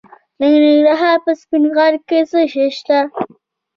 د ننګرهار په سپین غر کې څه شی شته؟